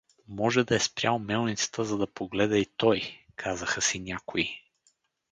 Може да е спрял мелницата, за да погледа и той — казаха си някои.